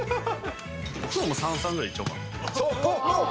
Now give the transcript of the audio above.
風呂も３・３ぐらいいっちゃおうかな。